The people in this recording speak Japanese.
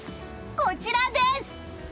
こちらです！